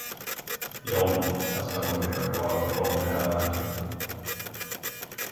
John, jag skall nog försöka att vara förståndig hädanefter.